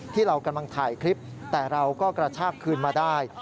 ที่เรากำลังถ่ายคลิปแต่เราก็กระชากคืนมาได้